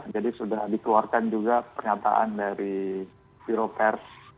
jadi sudah dikeluarkan juga pernyataan dari biro pers